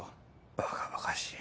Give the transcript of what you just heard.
バカバカしい。